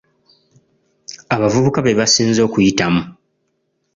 Abavubuka be basinze okuyitamu.